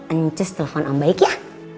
uncus telepon om baik ya